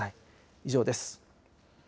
以上です。